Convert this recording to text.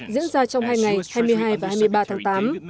diễn ra trong hai ngày hai mươi hai và hai mươi ba tháng tám